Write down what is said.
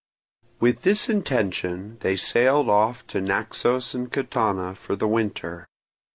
With this intention they sailed off to Naxos and Catana for the winter.